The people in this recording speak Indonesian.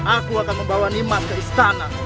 aku akan membawa nimat ke istana